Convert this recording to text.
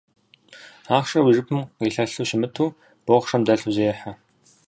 Ахъшэр уи жыпым къилъэлъу щымыту, бохъшэм дэлъу зехьэ.